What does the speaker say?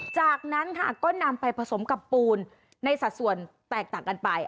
จากนั้นค่ะก็นำไปผสมกับปูนในสัดส่วนแตกต่างกันไป